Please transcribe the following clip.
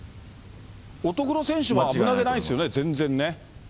乙黒選手は危なげないですよね、全然ね。